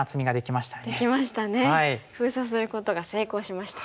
封鎖することが成功しましたね。